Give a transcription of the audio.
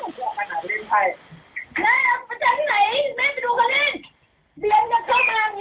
แล้วยังไงล่ะ